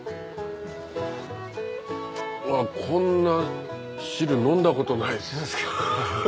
うわっこんな汁飲んだことないです。